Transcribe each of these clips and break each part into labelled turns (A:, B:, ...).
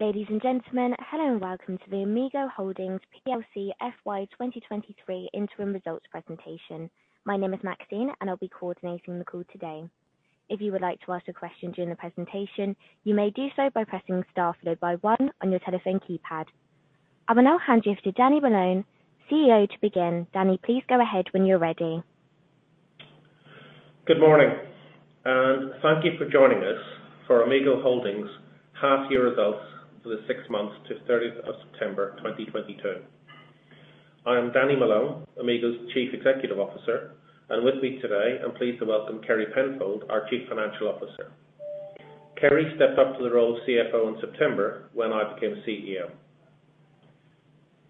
A: Ladies and gentlemen, hello and welcome to the Amigo Holdings PLC's FY 2023 interim results presentation. My name is Maxine, and I'll be coordinating the call today. If you would like to ask a question during the presentation, you may do so by pressing star one on your telephone keypad. I will now hand you to Danny Malone, CEO to begin. Danny, please go ahead when you're ready.
B: Good morning. Thank you for joining us for Amigo Holdings' half-year results for the 6 months of September 30th, 2022. I am Danny Malone, Amigo's Chief Executive Officer, and with me today, I'm pleased to welcome Kerry Penfold, our Chief Financial Officer. Kerry stepped up to the role of CFO in September when I became CEO.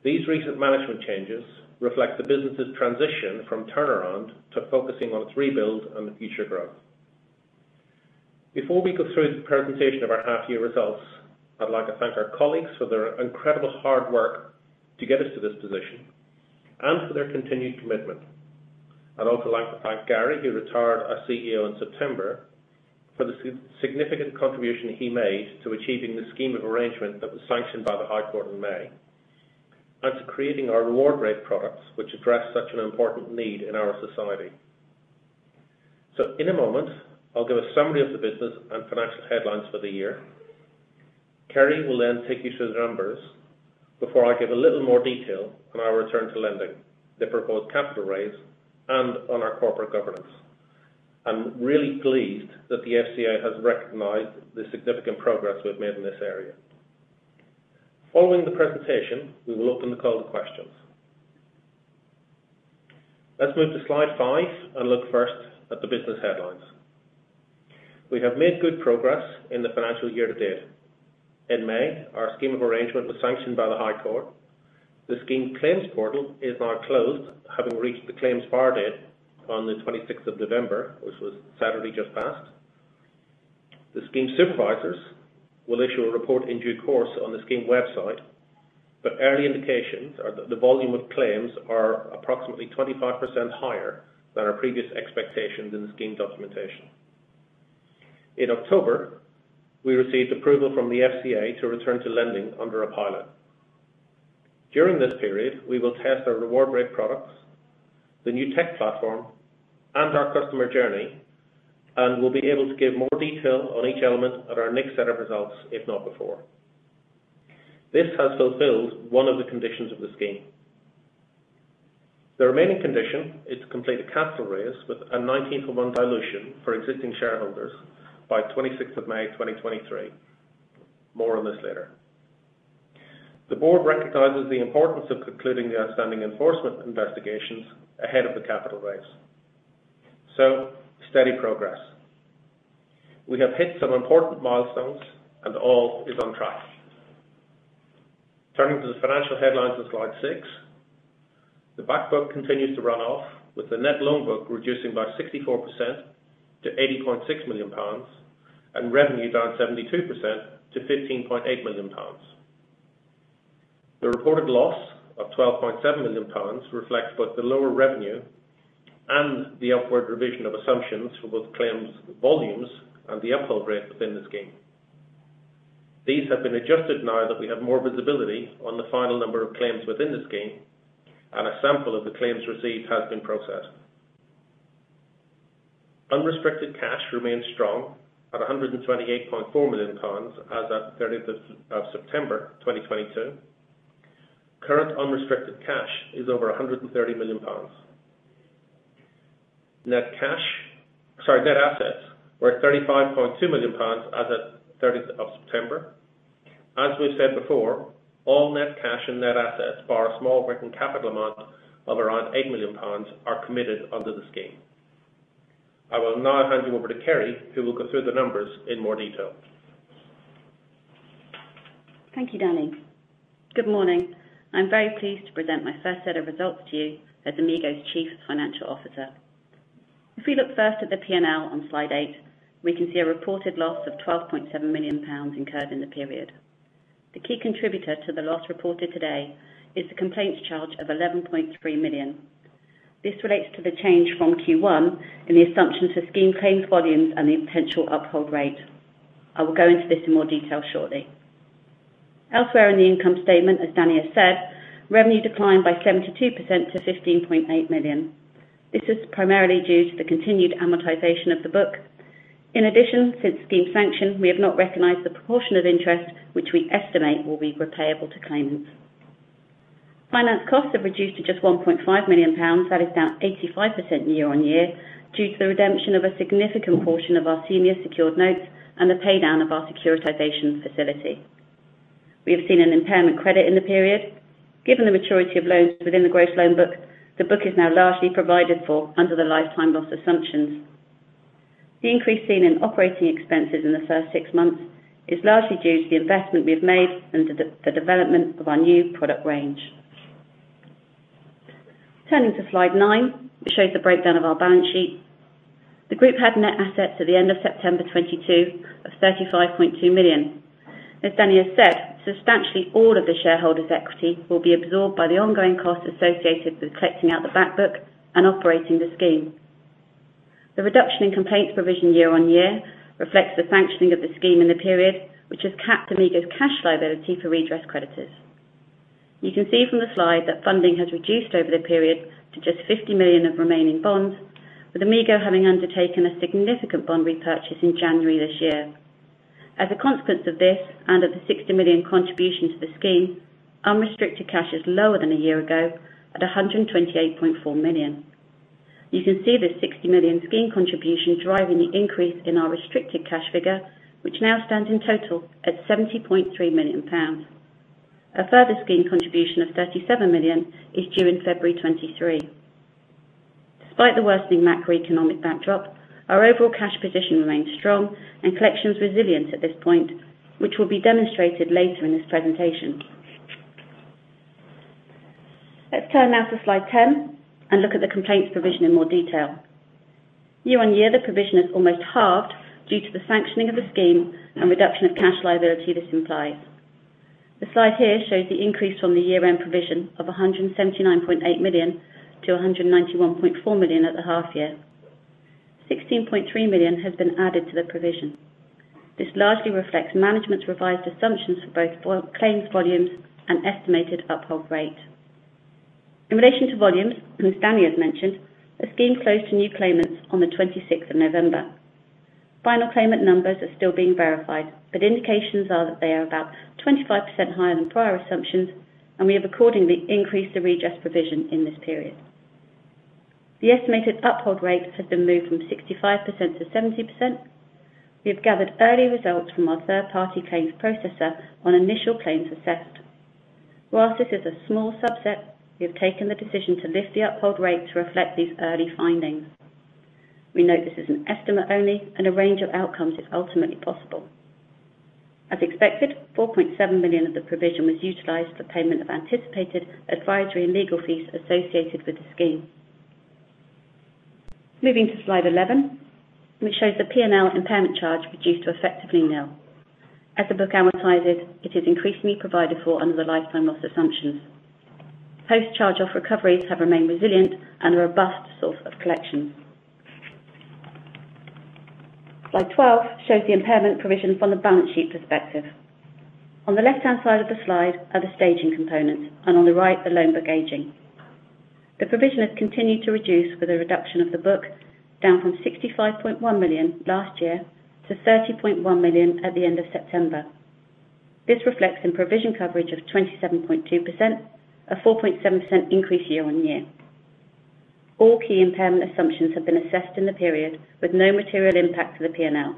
B: These recent management changes reflect the business' transition from turnaround to focusing on its rebuild and the future growth. Before we go through the presentation of our half-year results, I'd like to thank our colleagues for their incredible hard work to get us to this position and for their continued commitment. I'd also like to thank Gary, who retired as CEO in September, for the significant contribution he made to achieving the scheme of arrangement that was sanctioned by the High Court in May, and to creating our RewardRate products which address such an important need in our society. In a moment, I'll give a summary of the business and financial headlines for the year. Kerry will then take you through the numbers before I give a little more detail on our return to lending, the proposed capital raise, and on our corporate governance. I'm really pleased that the FCA has recognized the significant progress we've made in this area. Following the presentation, we will open the call to questions. Let's move to slide 5 and look first at the business headlines. We have made good progress in the financial year to date. In May, our scheme of arrangement was sanctioned by the High Court. The scheme claims portal is now closed, having reached the claims bar date on November 26th, which was Saturday just past. The scheme supervisors will issue a report in due course on the scheme website, but early indications are the volume of claims are approximately 25% higher than our previous expectations in the scheme documentation. In October, we received approval from the FCA to return to lending under a pilot. During this period, we will test our RewardRate products, the new tech platform, and our customer journey, and we'll be able to give more detail on each element at our next set of results, if not before. This has fulfilled one of the conditions of the scheme. The remaining condition is to complete a capital raise with a 19-for-1 dilution for existing shareholders by May 26th, 2023. More on this later. The board recognizes the importance of concluding the outstanding enforcement investigations ahead of the capital raise. Steady progress. We have hit some important milestones and all is on track. Turning to the financial headlines on slide 6. The back book continues to run off with the net loan book reducing by 64% to 80.6 million pounds and revenue down 72% to 15.8 million pounds. The reported loss of 12.7 million pounds reflects both the lower revenue and the upward revision of assumptions for both claims volumes and the uprate within the scheme. These have been adjusted now that we have more visibility on the final number of claims within the scheme, and a sample of the claims received has been processed. Unrestricted cash remains strong at 128.4 million pounds as at September 30th, 2022. Current unrestricted cash is over 130 million pounds. Sorry, net assets were 35.2 million pounds as at September 30th. As we've said before, all net cash and net assets bar a small written capital amount of around 8 million pounds are committed under the scheme. I will now hand you over to Kerry, who will go through the numbers in more detail.
A: Thank you, Danny. Good morning. I am very pleased to present my first set of results to you as Amigo's Chief Financial Officer. If we look first at the P&L on slide eight, we can see a reported loss of 12.7 million pounds incurred in the period. The key contributor to the loss reported today is the complaints charge of 11.3 million. This relates to the change from Q1 in the assumptions for scheme claims volumes and the potential uphold rate. I will go into this in more detail shortly. Elsewhere in the income statement, as Danny has said, revenue declined by 72% to 15.8 million. This is primarily due to the continued amortization of the book. In addition, since scheme sanction, we have not recognized the proportion of interest which we estimate will be repayable to claimants. Finance costs have reduced to just 1.5 million pounds, that is down 85% year-on-year due to the redemption of a significant portion of our senior secured notes and the pay down of our securitization facility. We have seen an impairment credit in the period. Given the maturity of loans within the gross loan book, the book is now largely provided for under the lifetime loss assumptions. The increase seen in operating expenses in the first six months is largely due to the investment we have made into the development of our new product range. Turning to slide 9, it shows the breakdown of our balance sheet. The group had net assets at the end of September 2022 of 35.2 million. As Danny has said, substantially all of the shareholders equity will be absorbed by the ongoing costs associated with collecting out the back book and operating the scheme. The reduction in complaints provision year-on-year reflects the sanctioning of the scheme in the period, which has capped Amigo's cash liability for redress creditors. You can see from the slide that funding has reduced over the period to just 50 million of remaining bonds, with Amigo having undertaken a significant bond repurchase in January this year. As a consequence of this, and of the 60 million contribution to the scheme, unrestricted cash is lower than a year ago at 128.4 million. You can see the 60 million scheme contribution driving the increase in our restricted cash figure, which now stands in total at GBP 70.3 million. A further scheme contribution of GBP 37 million is due in February 2023. Despite the worsening macroeconomic backdrop, our overall cash position remains strong and collections resilient at this point, which will be demonstrated later in this presentation. Let's turn now to slide 10 and look at the complaints provision in more detail. Year-over-year, the provision has almost halved due to the sanctioning of the scheme and reduction of cash liability this implies. The slide here shows the increase from the year-end provision of 179.8 million-191.4 million at the half year. 16.3 million has been added to the provision. This largely reflects management's revised assumptions for both claims volumes and estimated uphold rate. In relation to volumes, whom Danny has mentioned, the scheme closed to new claimants on November 26th. Final claimant numbers are still being verified, indications are that they are about 25% higher than prior assumptions. We have accordingly increased the redress provision in this period. The estimated uphold rates have been moved from 65%-70%. We have gathered early results from our third-party claims processor on initial claims assessed. While this is a small subset, we have taken the decision to lift the uphold rate to reflect these early findings. We note this is an estimate only, a range of outcomes is ultimately possible. As expected, 4.7 million of the provision was utilized for payment of anticipated advisory and legal fees associated with the scheme. Moving to slide 11, which shows the P&L impairment charge reduced to effectively nil. As the book amortizes, it is increasingly provided for under the lifetime loss assumptions. Post-charge off recoveries have remained resilient and a robust source of collections. Slide 12 shows the impairment provision from the balance sheet perspective. On the left-hand side of the slide are the staging components, and on the right, the loan book aging. The provision has continued to reduce with a reduction of the book down from 65.1 million last year to 30.1 million at the end of September. This reflects in provision coverage of 27.2%, a 4.7% increase year-on-year. All key impairment assumptions have been assessed in the period with no material impact to the P&L.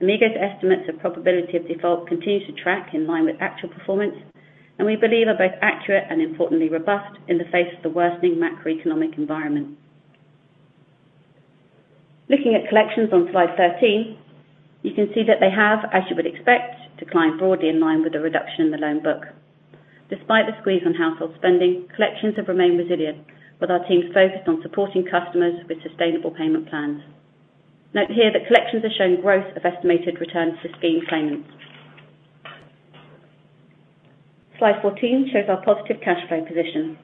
A: Amigo's estimates of probability of default continue to track in line with actual performance, and we believe are both accurate and importantly robust in the face of the worsening macroeconomic environment. Looking at collections on slide 13, you can see that they have, as you would expect, declined broadly in line with the reduction in the loan book. Despite the squeeze on household spending, collections have remained resilient, with our teams focused on supporting customers with sustainable payment plans. Note here that collections are showing growth of estimated returns to scheme claimants. Slide 14 shows our positive cash flow position.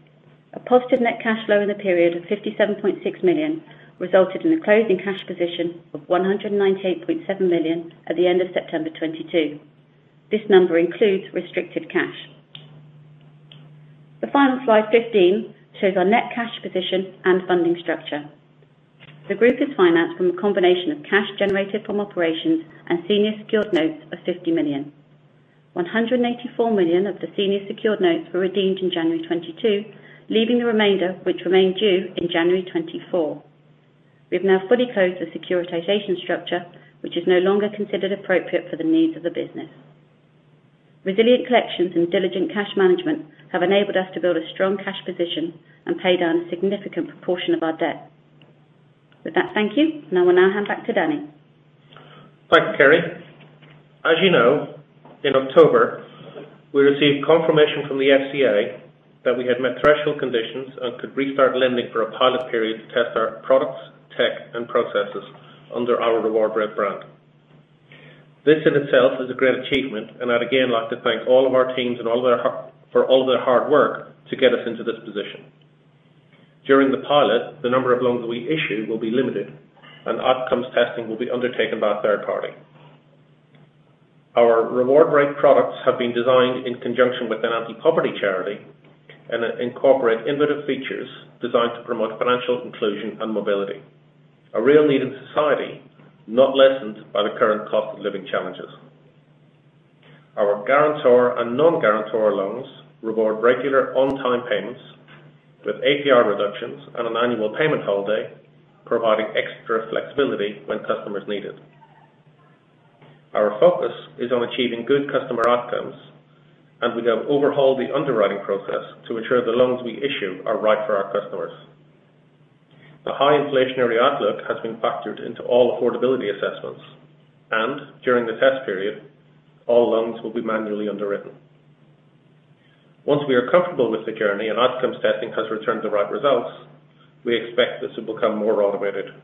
A: A positive net cash flow in the period of 57.6 million resulted in a closing cash position of 198.7 million at the end of September 2022. This number includes restricted cash. The final slide, 15, shows our net cash position and funding structure. The group is financed from a combination of cash generated from operations and senior secured notes of 50 million. 184 million of the senior secured notes were redeemed in January 2022, leaving the remainder which remain due in January 2024. We have now fully closed the securitization structure, which is no longer considered appropriate for the needs of the business. Resilient collections and diligent cash management have enabled us to build a strong cash position and pay down a significant proportion of our debt. With that, thank you. I will now hand back to Danny.
B: Thank you, Kerry. As you know, in October, we received confirmation from the FCA that we had met threshold conditions and could restart lending for a pilot period to test our products, tech, and processes under our RewardRate brand. This in itself is a great achievement, and I'd again like to thank all of our teams and for all their hard work to get us into this position. During the pilot, the number of loans that we issue will be limited and outcomes testing will be undertaken by a third party. Our RewardRate products have been designed in conjunction with an anti-poverty charity and incorporate innovative features designed to promote financial inclusion and mobility, a real need in society, not lessened by the current cost of living challenges. Our guarantor and non-guarantor loans reward regular on time payments with APR reductions and an annual payment holiday, providing extra flexibility when customers need it. Our focus is on achieving good customer outcomes, and we have overhauled the underwriting process to ensure the loans we issue are right for our customers. The high inflationary outlook has been factored into all affordability assessments, and during the test period, all loans will be manually underwritten. Once we are comfortable with the journey and outcomes testing has returned the right results, we expect this to become more automated.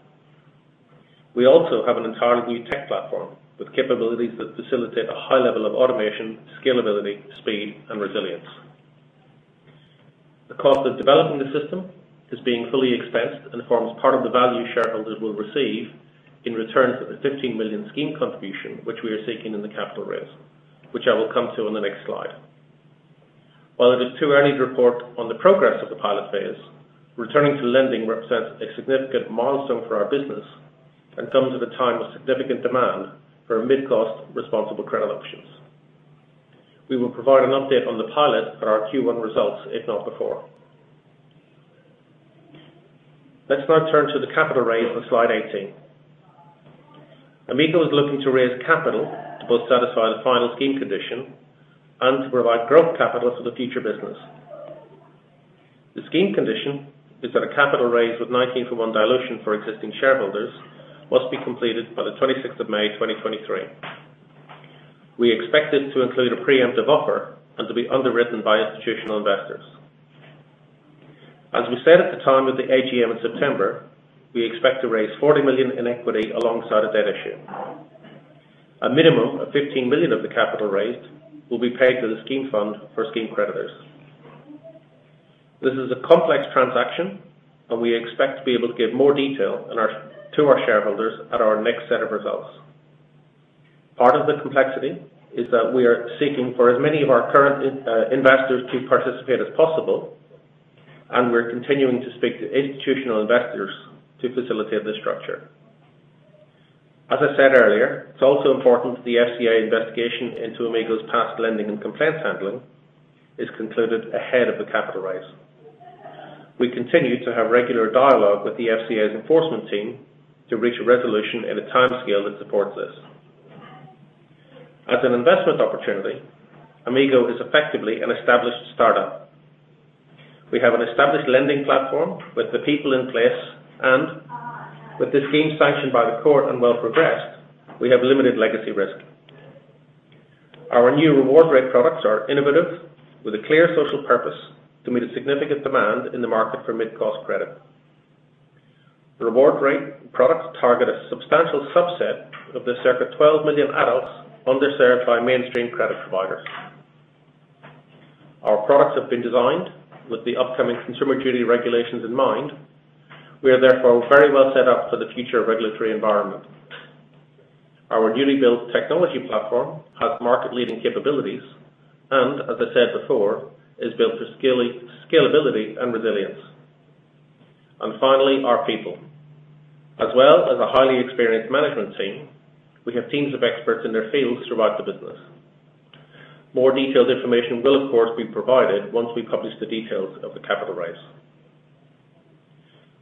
B: We also have an entirely new tech platform with capabilities that facilitate a high level of automation, scalability, speed, and resilience. The cost of developing the system is being fully expensed and forms part of the value shareholders will receive in return for the 15 million scheme contribution, which we are seeking in the capital raise, which I will come to on the next slide. While it is too early to report on the progress of the pilot phase, returning to lending represents a significant milestone for our business and comes at a time of significant demand for mid-cost responsible credit options. We will provide an update on the pilot for our Q1 results, if not before. Let's now turn to the capital raise on slide 18. Amigo is looking to raise capital to both satisfy the final scheme condition and to provide growth capital for the future business. The scheme condition is that a capital raise with 19-for-1 dilution for existing shareholders must be completed by May 26th, 2023. We expect it to include a preemptive offer and to be underwritten by institutional investors. As we said at the time of the AGM in September, we expect to raise 40 million in equity alongside a debt issue. A minimum of 15 million of the capital raised will be paid to the scheme fund for scheme creditors. This is a complex transaction, and we expect to be able to give more detail to our shareholders at our next set of results. Part of the complexity is that we are seeking for as many of our current investors to participate as possible, and we're continuing to speak to institutional investors to facilitate this structure. As I said earlier, it's also important the FCA investigation into Amigo's past lending and compliance handling is concluded ahead of the capital raise. We continue to have regular dialogue with the FCA's enforcement team to reach a resolution in a timescale that supports this. As an investment opportunity, Amigo is effectively an established startup. We have an established lending platform with the people in place, and with the scheme sanctioned by the court and well progressed, we have limited legacy risk. Our new RewardRate products are innovative, with a clear social purpose to meet a significant demand in the market for mid-cost credit. The RewardRate products target a substantial subset of the circa 12 million adults underserved by mainstream credit providers. Our products have been designed with the upcoming Consumer Duty regulations in mind. We are therefore very well set up for the future regulatory environment. Our newly built technology platform has market-leading capabilities, as I said before, is built for scalability and resilience. Finally, our people. As well as a highly experienced management team, we have teams of experts in their fields throughout the business. More detailed information will of course, be provided once we publish the details of the capital raise.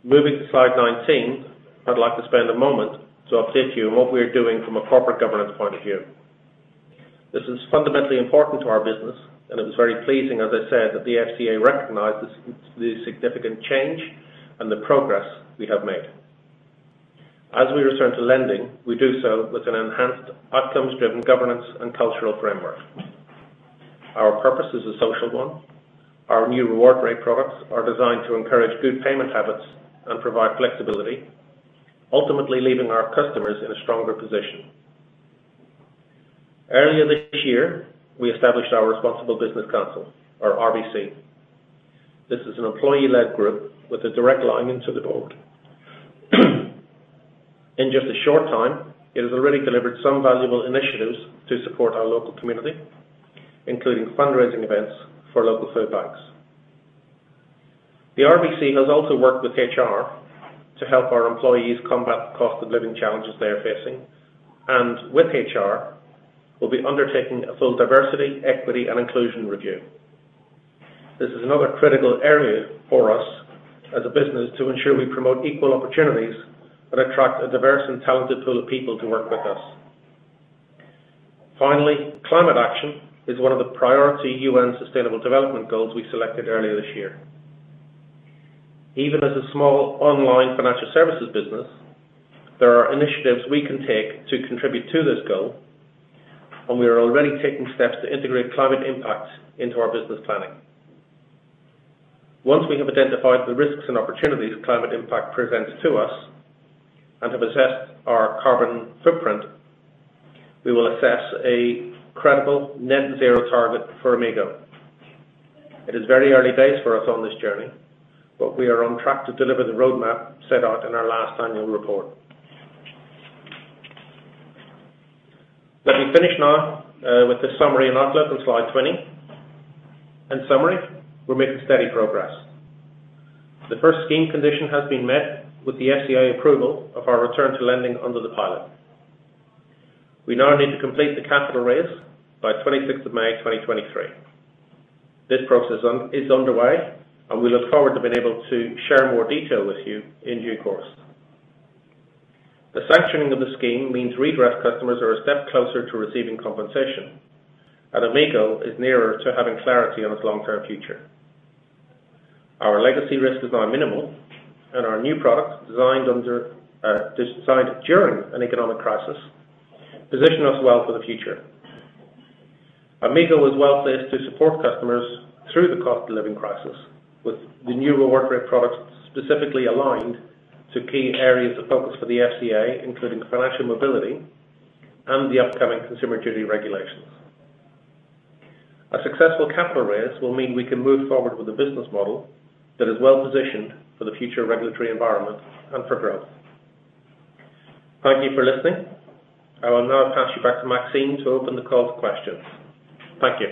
B: Moving to slide 19, I'd like to spend a moment to update you on what we are doing from a corporate governance point of view. This is fundamentally important to our business, it was very pleasing, as I said, that the FCA recognized the significant change and the progress we have made. As we return to lending, we do so with an enhanced outcomes-driven governance and cultural framework. Our purpose is a social one. Our new RewardRate products are designed to encourage good payment habits and provide flexibility, ultimately leaving our customers in a stronger position. Earlier this year, we established our Responsible Business Council or RBC. This is an employee-led group with a direct line into the board. In just a short time, it has already delivered some valuable initiatives to support our local community, including fundraising events for local food banks. The RBC has also worked with HR to help our employees combat the cost of living challenges they are facing. With HR, we'll be undertaking a full diversity, equity, and inclusion review. This is another critical area for us as a business to ensure we promote equal opportunities that attract a diverse and talented pool of people to work with us. Finally, climate action is one of the priority UN Sustainable Development Goals we selected earlier this year. Even as a small online financial services business, there are initiatives we can take to contribute to this goal, and we are already taking steps to integrate climate impact into our business planning. Once we have identified the risks and opportunities climate impact presents to us, and have assessed our carbon footprint, we will assess a credible net zero target for Amigo. It is very early days for us on this journey, but we are on track to deliver the roadmap set out in our last annual report. Let me finish now with the summary and outlook on slide 20. In summary, we're making steady progress. The first scheme condition has been met with the FCA approval of our return to lending under the pilot. We now need to complete the capital raise by May 26th, 2023. This process is underway. We look forward to being able to share more detail with you in due course. The sanctioning of the scheme means redress customers are a step closer to receiving compensation. Amigo is nearer to having clarity on its long-term future. Our legacy risk is now minimal. Our new products designed during an economic crisis position us well for the future. Amigo is well-placed to support customers through the cost of living crisis with the new RewardRate products specifically aligned to key areas of focus for the FCA, including financial mobility and the upcoming Consumer Duty regulations. A successful capital raise will mean we can move forward with a business model that is well positioned for the future regulatory environment and for growth. Thank you for listening. I will now pass you back to Maxine to open the call for questions. Thank you.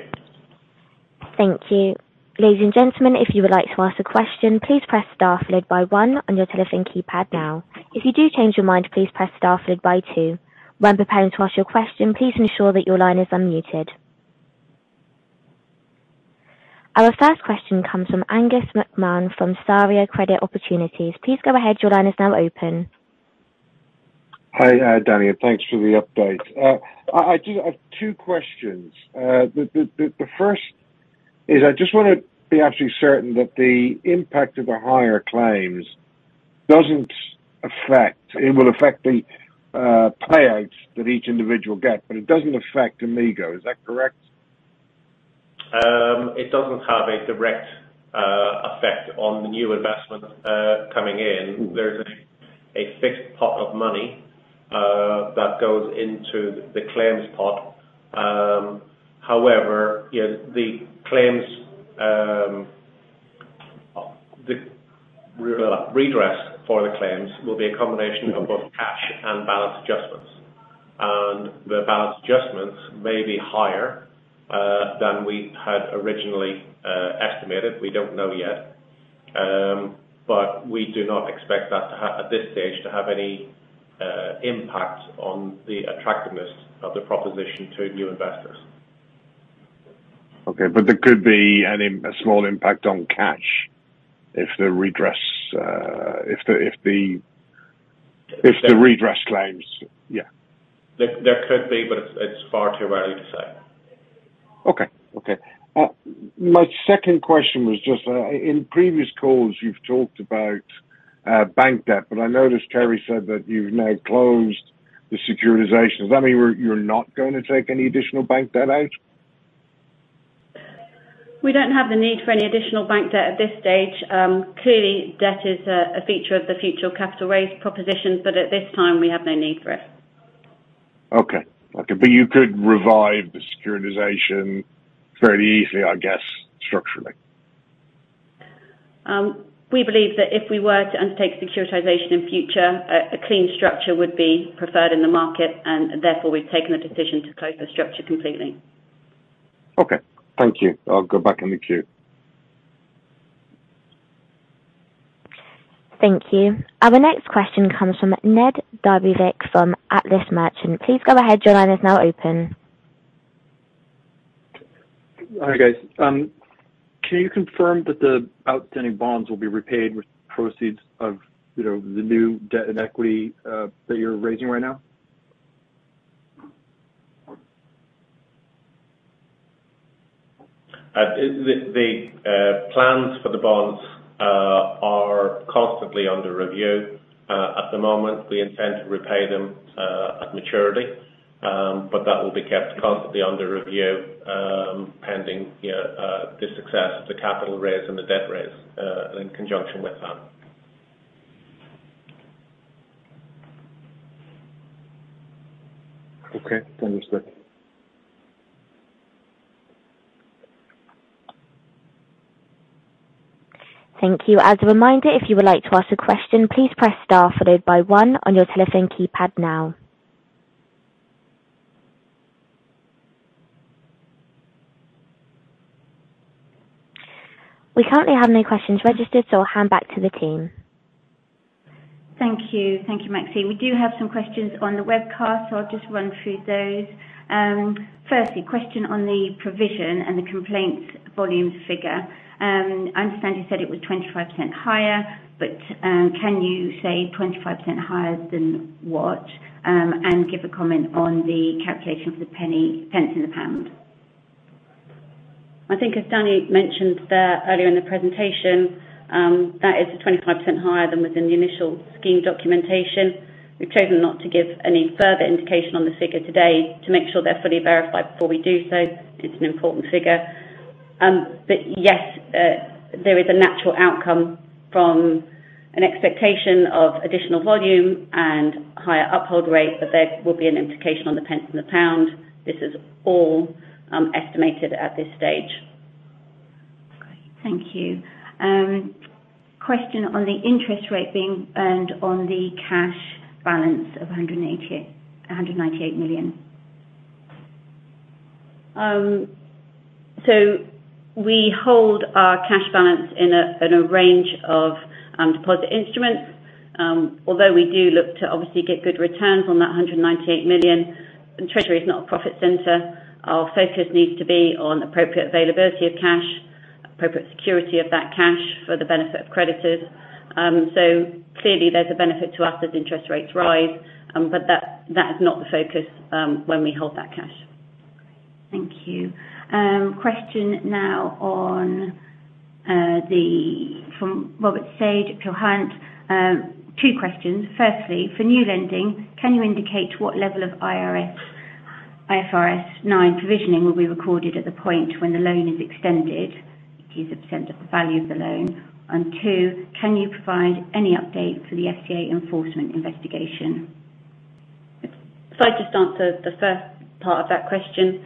C: Thank you. Ladies and gentlemen, if you would like to ask a question, please press star followed by one on your telephone keypad now. If you do change your mind, please press star followed by two. When preparing to ask your question, please ensure that your line is unmuted. Our first question comes from Angus credit opportunities. Please go ahead. Your line is now open.
D: Hi, Danny. Thanks for the update. I do have two questions. The first is I just wanna be absolutely certain that It will affect the payouts that each individual gets, but it doesn't affect Amigo, is that correct?
B: It doesn't have a direct effect on the new investment coming in. There's a fixed pot of money, that goes into the claims pot. However, you know, the claims, the redress for the claims will be a combination of both cash and balance adjustments. The balance adjustments may be higher than we had originally estimated. We don't know yet. We do not expect that at this stage, to have any impact on the attractiveness of the proposition to new investors.
D: Okay. there could be a small impact on cash if the redress, if the redress claims... Yeah.
B: There could be, but it's far too early to say.
D: Okay. My second question was just, in previous calls you've talked about, bank debt, but I noticed Kerry said that you've now closed the securitization. Does that mean you're not going to take any additional bank debt out?
A: We don't have the need for any additional bank debt at this stage. Clearly debt is a feature of the future capital raise propositions, but at this time we have no need for it.
D: Okay. You could revive the securitization very easily, I guess, structurally.
A: We believe that if we were to undertake securitization in future, a clean structure would be preferred in the market, and therefore, we've taken the decision to close the structure completely.
D: Okay. Thank you. I'll go back in the queue.
C: Thank you. Our next question comes from Ned Dybvig from Atlas Merchant Capital. Please go ahead. Your line is now open.
E: Hi, guys. Can you confirm that the outstanding bonds will be repaid with proceeds of, you know, the new debt and equity that you're raising right now?
B: The plans for the bonds are constantly under review. At the moment, we intend to repay them at maturity. That will be kept constantly under review, pending, you know, the success of the capital raise and the debt raise, and in conjunction with that.
E: Okay. Understood.
C: Thank you. As a reminder, if you would like to ask a question, please press star followed by one on your telephone keypad now. We currently have no questions registered, so I'll hand back to the team.
A: Thank you. Thank you, Maxine. We do have some questions on the webcast, so I'll just run through those. Firstly, question on the provision and the complaints volumes figure. "I understand you said it was 25% higher, but can you say 25% higher than what? Give a comment on the calculation for the pence in the pound." I think as Danny mentioned there earlier in the presentation, that is 25% higher than within the initial scheme documentation. We've chosen not to give any further indication on the figure today to make sure they're fully verified before we do so. It's an important figure. Yes, there is a natural outcome from an expectation of additional volume and higher uphold rate, but there will be an implication on the pence in the pound. This is all estimated at this stage. Great. Thank you. Question on the interest rate being earned on the cash balance of 198 million? We hold our cash balance in a range of deposit instruments. Although we do look to obviously get good returns on that 198 million, the treasury is not a profit center. Our focus needs to be on appropriate availability of cash, appropriate security of that cash for the benefit of creditors. Clearly there's a benefit to us as interest rates rise. That is not the focus when we hold that cash. Thank you. Question now from Robert Sage at Peel Hunt. Two questions. "Firstly, for new lending, can you indicate what level of IFRS 9 provisioning will be recorded at the point when the loan is extended, which is a percent of the value of the loan. And secondly, can you provide any update for the FCA enforcement investigation?" I'll just answer the first part of that question.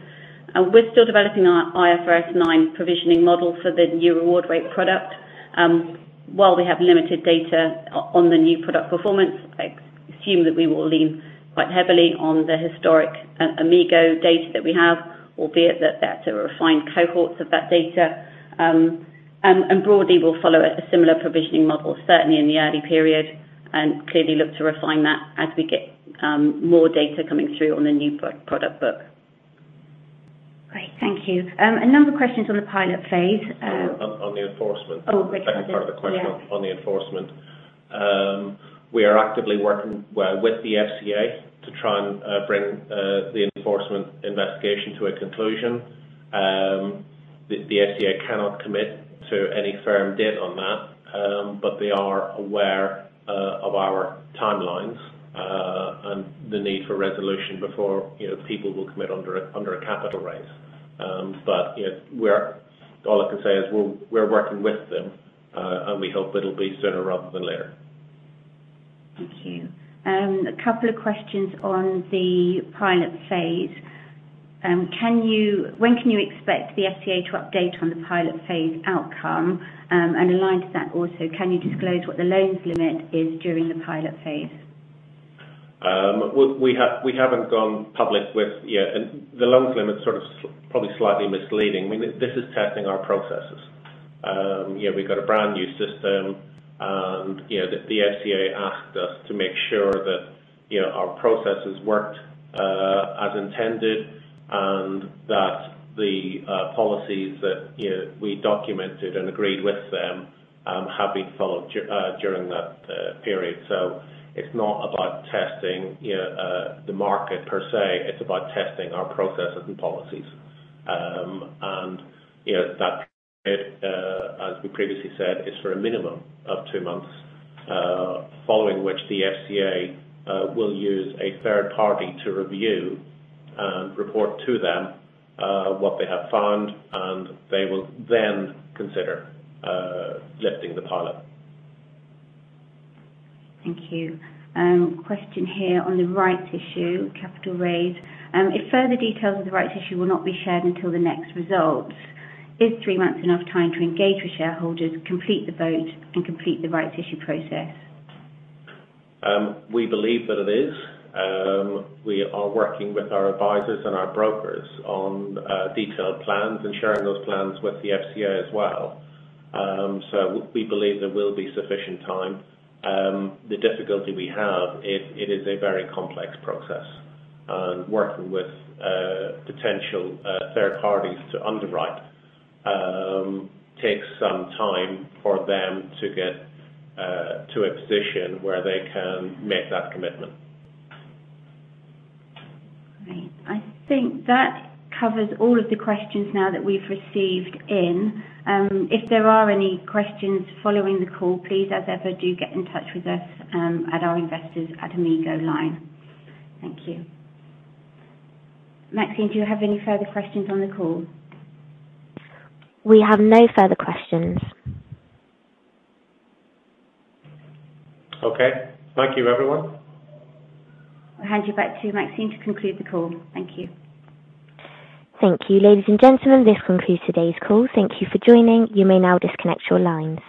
A: We're still developing our IFRS 9 provisioning model for the new RewardRate product. While we have limited data on the new product performance, I assume that we will lean quite heavily on the historic Amigo data that we have, albeit that that's a refined cohorts of that data. And broadly, we'll follow a similar provisioning model, certainly in the early period, and clearly look to refine that as we get more data coming through on the new product book. Great, thank you. A number of questions on the pilot phase.
B: On the enforcement.
A: Oh, great.
B: The second part of the question on the enforcement. We are actively working, well, with the FCA to try and bring the enforcement investigation to a conclusion. The FCA cannot commit to any firm date on that, but they are aware of our timelines and the need for resolution before, you know, people will commit under a capital raise. You know, all I can say is we're working with them and we hope it'll be sooner rather than later.
A: Thank you. A couple of questions on the pilot phase. "When can you expect the FCA to update on the pilot phase outcome? Aligned to that also, can you disclose what the loans limit is during the pilot phase?"
B: We haven't gone public with... Yeah, and the loans limit is sort of probably slightly misleading. I mean, this is testing our processes. You know, we've got a brand-new system, and, you know, the FCA asked us to make sure that, you know, our processes worked as intended, and that the policies that, you know, we documented and agreed with them, have been followed during that period. It's not about testing, you know, the market per se, it's about testing our processes and policies. You know, that, as we previously said, is for a minimum of two months, following which the FCA will use a third party to review and report to them what they have found, and they will then consider lifting the pilot.
A: Thank you. Question here on the rights issue, capital raise. If further details of the rights issue will not be shared until the next results, is three months enough time to engage with shareholders, complete the vote, and complete the rights issue process?
B: We believe that it is. We are working with our advisors and our brokers on detailed plans and sharing those plans with the FCA as well. We believe there will be sufficient time. The difficulty we have is it is a very complex process, and working with potential third parties to underwrite, takes some time for them to get to a position where they can make that commitment.
A: Great. I think that covers all of the questions now that we've received in. If there are any questions following the call, please, as ever, do get in touch with us, at our investors at Amigo line. Thank you. Maxine, do you have any further questions on the call?
C: We have no further questions.
B: Okay. Thank you, everyone.
A: I'll hand you back to Maxine to conclude the call. Thank you.
C: Thank you, ladies and gentlemen. This concludes today's call. Thank you for joining. You may now disconnect your lines.